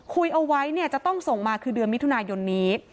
คุยเอาไว้เนี่ยจะต้องส่งมาคือเดือนมิถุนายนนี้